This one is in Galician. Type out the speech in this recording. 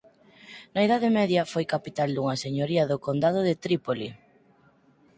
Na Idade Media foi capital dunha señoría do condado de Trípoli.